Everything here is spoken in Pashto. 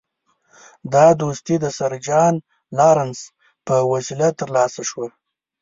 دا دوستي د سر جان لارنس په وسیله ترلاسه شوه.